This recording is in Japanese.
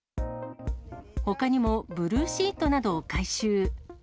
ほかにも、ブルーシートなどを回収。